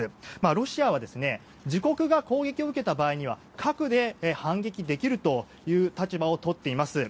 ロシアは自国が攻撃を受けた場合には核で反撃できるという立場をとっています。